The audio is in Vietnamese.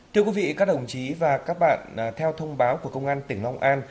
thưa quý vị các đồng chí và các bạn theo thông báo của công an tỉnh long an